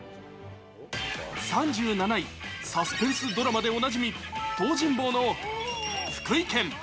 ３７位、サスペンスドラマでおなじみ、東尋坊の福井県。